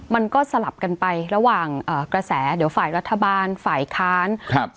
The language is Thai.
มันก็สลับกันไประหว่างกระแสเดี๋ยวฝ่ายรัฐบาลฝ่ายค้านครับ